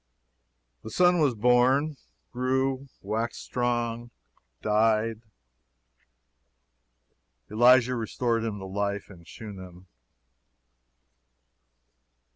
The son was born, grew, waxed strong, died. Elisha restored him to life in Shunem.